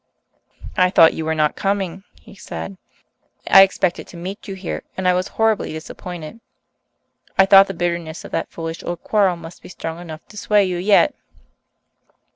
"I thought you were not coming," he said. "I expected to meet you here and I was horribly disappointed. I thought the bitterness of that foolish old quarrel must be strong enough to sway you yet."